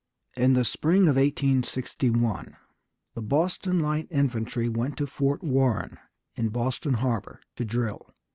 In the spring of 1861 the Boston Light Infantry went to Fort Warren in Boston Harbor to drill.